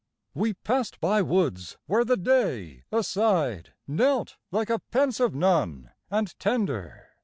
We passed by woods where the day aside Knelt like a pensive nun and tender.